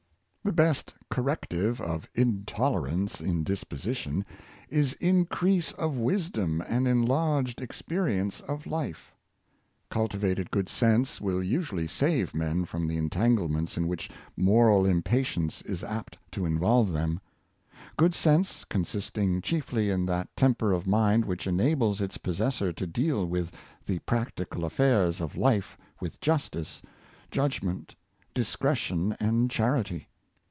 The best corrective of intolerance in disposition, is increase of wisdom and enlarged experience of life. Cultivated good sense will usually save men from the entanglements in which moral impatience is apt to in volve them; good sense consisting chiefly in that tem per of mind which enables its possessor to deal with the practical affairs of life with justice, judgment, dis cretion, and charity.